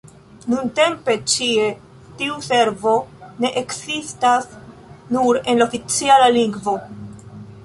Nuntempe ĉie tiu servo ne ekzistas, nur en la oficiala lingvo.